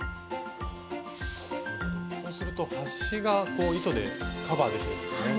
こうすると端が糸でカバーできるんですね。